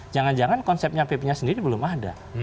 jangan jangan konsepnya ppnya sendiri belum ada